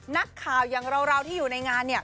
นักข่าวอย่างเราที่อยู่ในงานเนี่ย